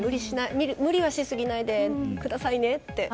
無理はしすぎないでくださいねって。